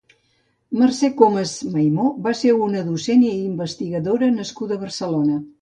Mercè Comes Maymó va ser una docent i investigadora nascuda a Barcelona.